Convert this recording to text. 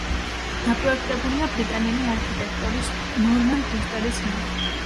დაპროექტებულია ბრიტანელი არქიტექტორის ნორმან ფოსტერის მიერ.